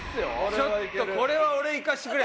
ちょっとこれは俺いかせてくれ。